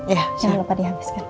ya jangan lupa dihabiskan